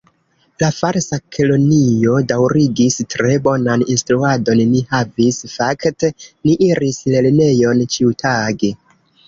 La Falsa Kelonio daŭrigis: "Tre bonan instruadon ni havis; fakte, ni iris lernejon ĉiutage"